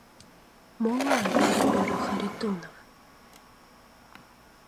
— Молан? — ӧрӧ Харитонов.